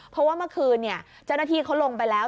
เพราะว่าเมื่อคืนเจ้าหน้าที่เขาลงไปแล้ว